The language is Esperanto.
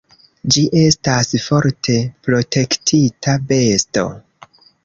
Ĝi estas forte protektita besto.